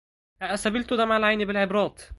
أأسبلت دمع العين بالعبرات